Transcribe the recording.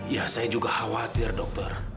ya saya juga khawatir dokter